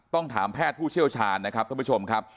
ต้องถามแพทย์ผู้เชี่ยวชาญนะครับท่านผู้ชมครับ